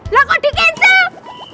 lah kok di cancel